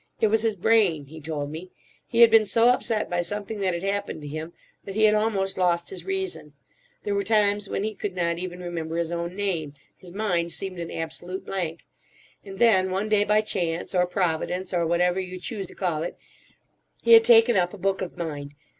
It was his brain, he told me. He had been so upset by something that had happened to him that he had almost lost his reason. There were times when he could not even remember his own name; his mind seemed an absolute blank. And then one day by chance—or Providence, or whatever you choose to call it—he had taken up a book of mine.